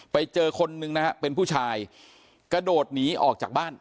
ไปเจอคนนึงนะฮะเป็นผู้ชายกระโดดหนีออกจากบ้าน